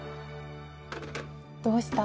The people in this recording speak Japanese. どうした？